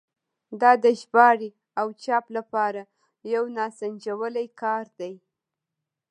دا د ژباړې او چاپ لپاره یو ناسنجولی کار دی.